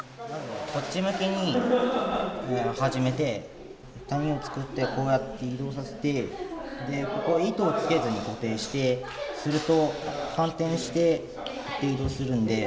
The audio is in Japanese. こっち向きに始めて谷を作ってこうやって移動させてでここ糸をつけずに固定してすると反転して移動するんで。